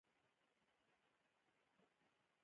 بېنډۍ د کوچنیانو زړه ته نږدې ده